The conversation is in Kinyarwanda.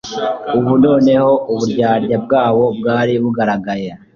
Ubu noneho uburyarya bwabo bwari bugaragaye.